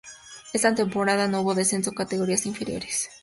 Esta temporada no hubo descenso a categorías inferiores.